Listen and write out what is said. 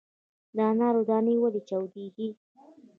د انارو دانې ولې چاودیږي؟